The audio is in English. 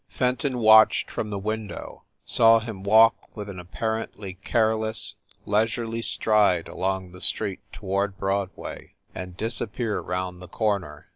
Fenton watched from the window, saw him walk with an apparently careless, leisurely stride along the street toward Broadway, and disappear round the corner.